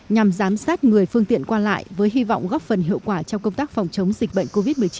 nhằm giám sát người phương tiện qua lại với hy vọng góp phần hiệu quả trong công tác phòng chống dịch bệnh covid một mươi chín